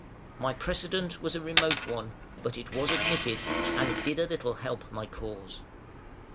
My precedent was a remote one, but it was admitted, and it did a little help my cause.